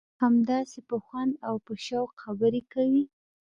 همداسې په خوند او په شوق خبرې کوي.